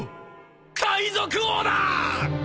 海賊王だ！